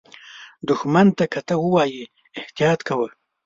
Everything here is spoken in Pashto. دښمن ته که څه ووایې، احتیاط کوه